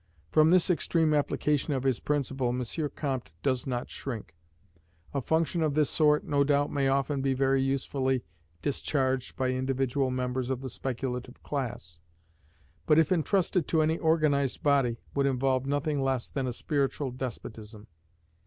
From this extreme application of his principle M. Comte does not shrink. A function of this sort, no doubt, may often be very usefully discharged by individual members of the speculative class; but if entrusted to any organized body, would involve nothing less than a spiritual despotism.